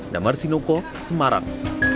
damar sinoko semarang